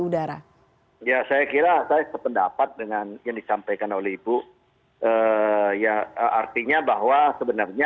dinyatakan layak terbang